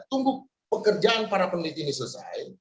tunggu pekerjaan para peneliti ini selesai